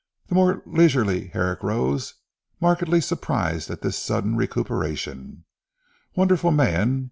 The more leisurely Herrick rose, markedly surprised at this sudden recuperation. "Wonderful man.